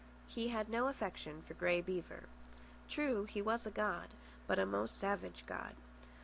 He had no affection for Grey Beaver. True, he was a god, but a most savage god.